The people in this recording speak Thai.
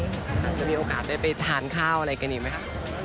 อาจจะมีโอกาสได้ไปทานข้าวอะไรกันอีกไหมคะ